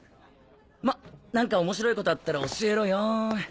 まっ何か面白いことあったら教えろよ。